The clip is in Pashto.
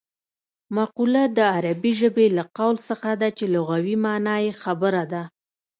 مقوله د عربي ژبې له قول څخه ده چې لغوي مانا یې خبره ده